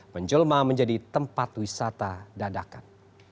menjelma menjadi tempat wisata dadakan